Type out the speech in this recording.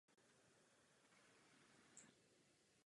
Bez jejich úsilí a pomoci bychom se nedostali až sem.